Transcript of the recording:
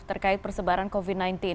terkait persebaran covid sembilan belas